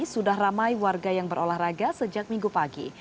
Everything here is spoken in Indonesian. sudah ramai warga yang berolahraga sejak minggu pagi